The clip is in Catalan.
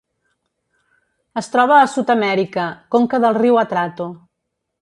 Es troba a Sud-amèrica: conca del riu Atrato.